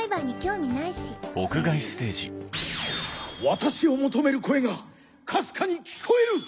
私を求める声がかすかに聞こえる！